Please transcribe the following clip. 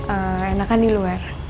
ehh enakan di luar